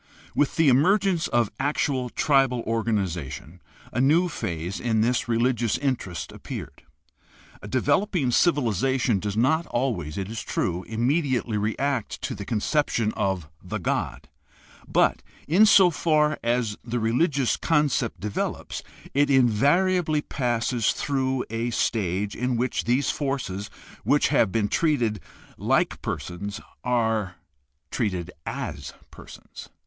— With the emergence of actual tribal organization a new phase in this religious interest appeared. A developing civilization does not always, it is true, immedi ately react to the conception of the god, but, in so far as the religious concept develops, it invariably passes through a stage in which these forces which have been treated like persons are treated as persons.